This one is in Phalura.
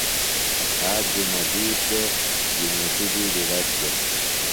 آج جمہ دِیس دےۡ۔ جمیتی بِیڈیۡ رش دےۡ۔